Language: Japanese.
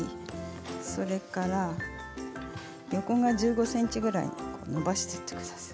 それから横が１５ｃｍぐらいに伸ばしていってください。